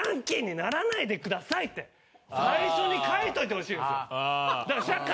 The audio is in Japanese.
最初に書いといてほしいんですよ。